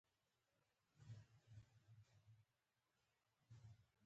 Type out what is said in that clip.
شګې يې مخ وواهه.